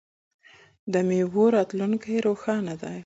د میوو راتلونکی روښانه دی.